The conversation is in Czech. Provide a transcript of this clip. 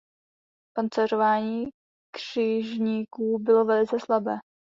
Pancéřování křižníků bylo velice slabé.